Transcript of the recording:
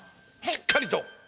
しっかりと。